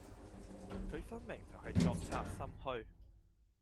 佢分明就係作賊心虛